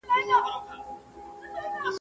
o چي خداى ئې ورکوي، بټل ئې يار دئ.